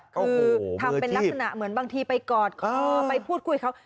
คือทำเป็นลักษณะเหมือนบางทีไปกอดคอไปพูดคุยเขา